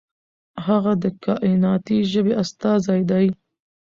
هغه د کائناتي ژبې استازی دی.